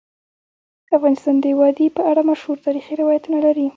افغانستان د وادي په اړه مشهور تاریخی روایتونه لري.